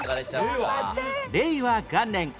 令和元年